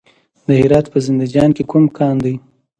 د هرات په زنده جان کې کوم کان دی؟